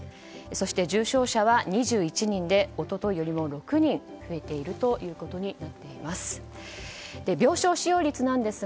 そして、重症者は２１人で一昨日よりも６人増えていることになっています。